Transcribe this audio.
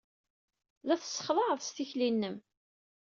La tessexlaɛed s tikli-nnem.